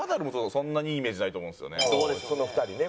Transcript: その２人ね